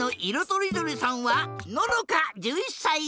とりどりさんはののか１１さい。